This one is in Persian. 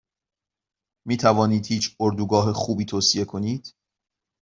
میتوانید هیچ اردوگاه خوبی توصیه کنید؟